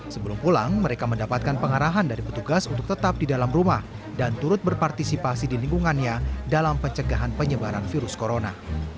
sebelum pulang mereka mendapatkan pengarahan dari petugas untuk tetap di dalam rumah dan turut berpartisipasi di lingkungannya dalam pencegahan penyebaran virus corona